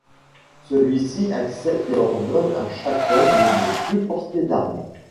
Celui-ci accepte et ordonne à chaque homme de ne plus porter d'armes.